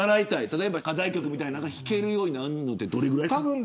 例えば課題曲みたいなのが弾けるようになるのは。